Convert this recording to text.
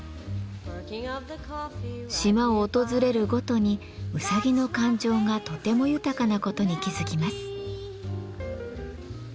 島を訪れるごとにうさぎの感情がとても豊かなことに気付きます。